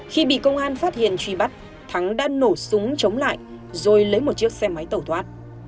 khi bị công an phát hiện truy bắt thắng đã nổ súng chống lại rồi lấy một chiếc xe máy tẩu thoát